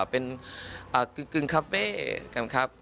เป็นกึ่งคาเฟ่กันครับ